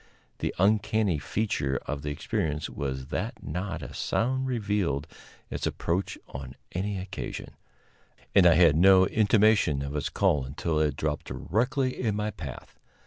The uncanny feature of the experience was that not a sound revealed its approach on any occasion, and I had no intimation of its call until it dropped directly in my path.